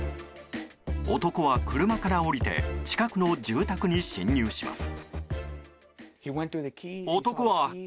男は車から降りて近くの住宅に侵入します。